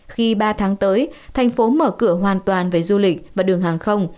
khi ba tháng tới thành phố mở cửa hoàn toàn về du lịch và đường hàng không